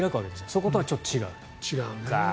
そことちょっと違うと。